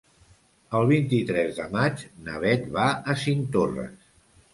El vint-i-tres de maig na Beth va a Cinctorres.